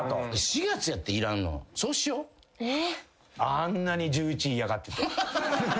あんなに１１嫌がってて。